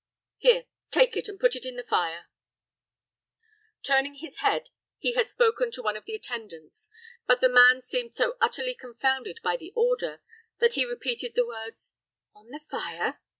Here, take it, and put it in the fire." Turning his head, he had spoken to one of the attendants; but the man seemed so utterly confounded by the order, that he repeated the words, "On the fire?"